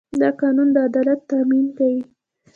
دا قانون د عدالت تامین کوي.